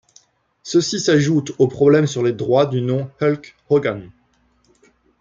Ceci s’ajoute aux problèmes sur les droits du nom Hulk Hogan.